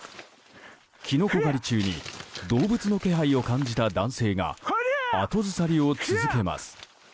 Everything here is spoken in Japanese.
キノコ狩り中に動物の気配を感じた男性が後ずさりを続けます。